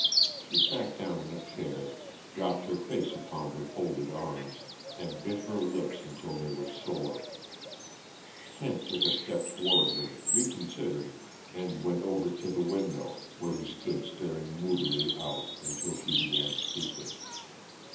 She sat down in a chair, dropped her face upon her folded arms, and bit her lips until they were sore. Kent took a step toward her, reconsidered, and went over to the window, where he stood staring moodily out until she began speaking.